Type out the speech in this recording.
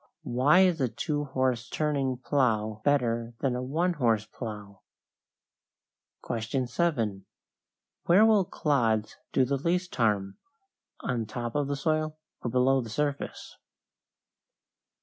Why is a two horse turning plow better than a one horse plow? 7. Where will clods do the least harm on top of the soil or below the surface?